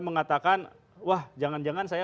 mengatakan wah jangan jangan saya